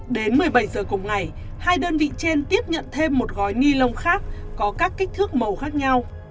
đến một mươi bảy giờ cùng ngày hai đơn vị trên tiếp nhận thêm một gói ni lông khác có các kích thước màu khác nhau